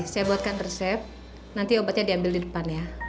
saya buatkan resep nanti obatnya diambil di depannya